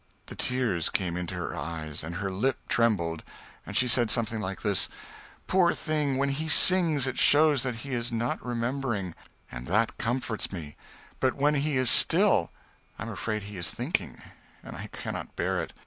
The tears came into her eyes, and her lip trembled, and she said something like this "Poor thing, when he sings, it shows that he is not remembering, and that comforts me; but when he is still, I am afraid he is thinking, and I cannot bear it.